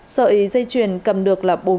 sợi dây chuyền cầm được là bốn